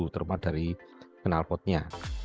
termasuk termasuk dari kenalpotnya